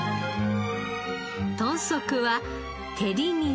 豚足は照り煮に。